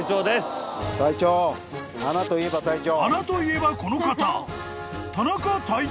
［穴といえばこの方］